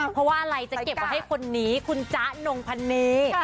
เพราะว่าอะไรจะเก็บไว้ให้คนนี้คุณจ๊ะนงพะเน